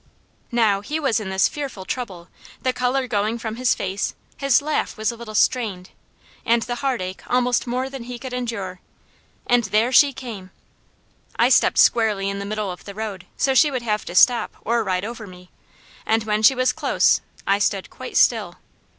Now, he was in this fearful trouble, the colour was going from his face, his laugh was a little strained, and the heartache almost more than he could endure and there she came! I stepped squarely in the middle of the road so she would have to stop or ride over me, and when she was close, I stood quite still.